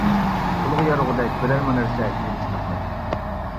پۇلغا يارىغۇدەك بىرەرمۇ نەرسە كۆزگە چېلىقمايتتى.